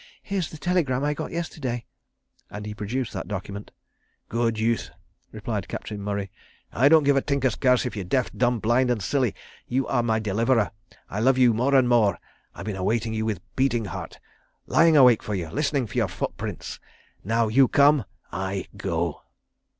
... Here's the telegram I got yesterday," and he produced that document. "Good youth," replied Captain Murray. "I don't give a tinker's curse if you're deaf, dumb, blind and silly. You are my deliverer. I love you more and more. I've been awaiting you with beating heart—lying awake for you, listening for your footprints. Now you come—I go."